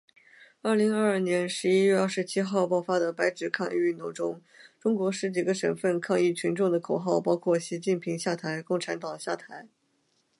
二零二二年十一月二十七号爆发的白纸抗议运动中，中国十几个省份抗议群众的口号包括“习近平下台，共产党下台”